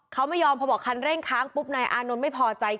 เขาไม่ยอมพอบอกคันเร่งค้างปุ๊บนายอานนท์ไม่พอใจ